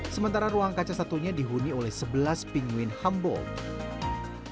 sementara ruang kaca satunya dihuni oleh sebelas penguin humboldt